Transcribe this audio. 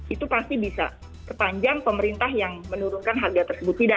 itu pasti bisa kepanjang pemerintah yang menurunkan harga tersebut